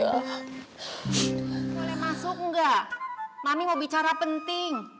boleh masuk enggak mami mau bicara penting